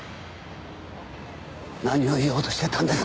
何を言おうとしてたんですか？